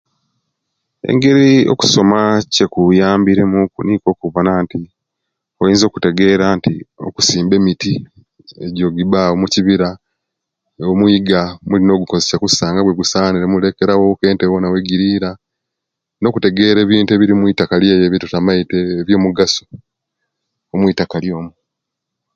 Engeri okusoma ekyekuyambire muku nikwo okubona nti oyinza okutegera nti okusimba emiti ejjo'jibawo mukibira omwiga mulina gukozesya kusa nga wegusanire muleke ente wona owegirira nokutegera ebintu ebiri muyitakali eyo ebyetutamaite ebyo'mugaso omwitakali omwo